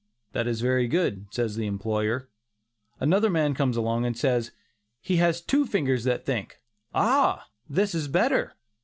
"That is very good," says the employer. Another man comes along, and says "he has two fingers that think." "Ah! that is better."